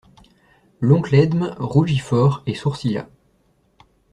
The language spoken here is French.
L'oncle Edme rougit fort, et sourcilla.